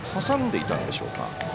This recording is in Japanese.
挟んでいたのでしょうか。